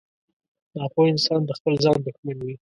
• ناپوه انسان د خپل ځان دښمن وي.